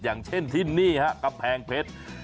อย่างเช่นที่นี่ฮะกำแพงเพชร